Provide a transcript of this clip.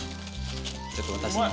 ちょっと私も。